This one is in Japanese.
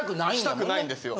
したくないですよ。